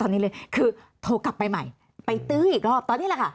ทำไมรัฐต้องเอาเงินภาษีประชาชนไปจ้างกำลังผลมาโจมตีประชาชน